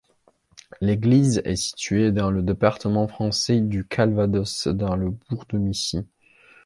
L'église est située dans le département français du Calvados, dans le bourg de Missy.